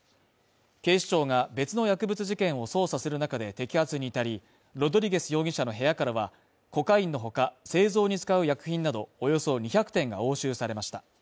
警視庁が別の薬物事件を捜査する中で摘発に至り、ロドリゲス容疑者の部屋からは、コカインの他、製造に使う薬品などおよそ２００点が押収されました。